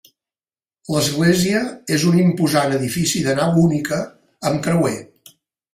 L'església és un imposant edifici de nau única, amb creuer.